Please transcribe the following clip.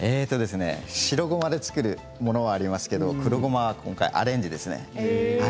白ごまで作るものはあるんですが黒ごまは、今回アレンジですね。